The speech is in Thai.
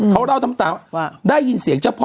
เขาเล่าน้ำตาว่าได้ยินเสียงเจ้าพ่อ